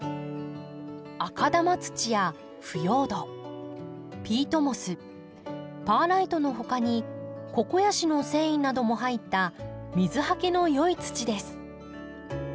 赤玉土や腐葉土ピートモスパーライトの他にココヤシの繊維なども入った水はけの良い土です。